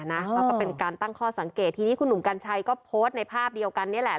แล้วก็เป็นการตั้งข้อสังเกตทีนี้คุณหนุ่มกัญชัยก็โพสต์ในภาพเดียวกันนี่แหละ